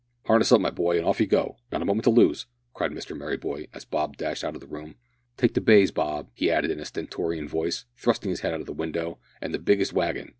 "Harness up, my boy, and off you go not a moment to lose!" cried Mr Merryboy, as Bob dashed out of the room. "Take the bays, Bob," he added in a stentorian voice, thrusting his head out of the window, "and the biggest wagon.